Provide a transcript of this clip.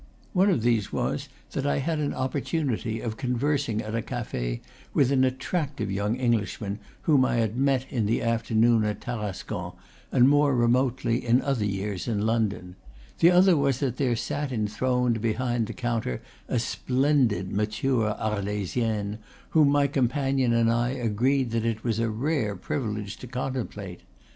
One of these was that I had an opportunity of conversing at a cafe with an attractive young Eng lishman, whom I had met in the afternoon at Tarascon, and more remotely, in other years, in London; the other was that there sat enthroned behind the counter a splendid mature Arlesienne, whom my companion and I agreed that it was a rare privilege to contem plate.